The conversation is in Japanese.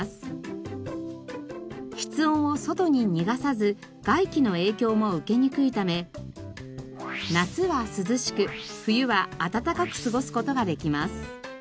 室温を外に逃がさず外気の影響も受けにくいため夏は涼しく冬は暖かく過ごす事ができます。